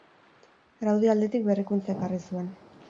Araudi aldetik berrikuntza ekarri zuen.